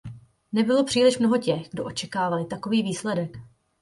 Nebylo příliš mnoho těch, kdo očekávali takový výsledek.